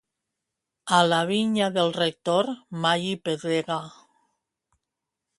A la vinya del rector mai hi pedrega.